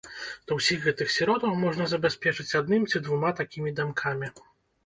То ўсіх гэтых сіротаў можна забяспечыць адным ці двума такімі дамкамі.